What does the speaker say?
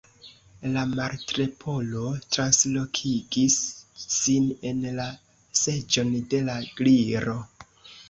La Martleporo translokigis sin en la seĝon de la Gliro.